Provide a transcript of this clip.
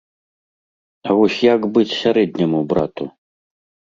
А вось як быць сярэдняму брату?